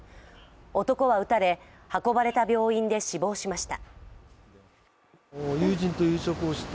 男は撃たれ、運ばれた病院で死亡しました。